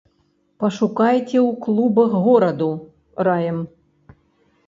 Пашукайце ў клубах гораду, раім.